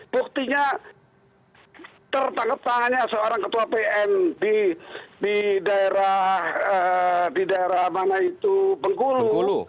buktinya tertanggap tangannya seorang ketua pn di daerah bengkulu